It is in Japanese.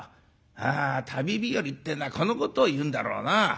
あ旅日和っていうのはこのことを言うんだろうな。